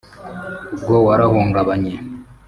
’ubwo warahungabanye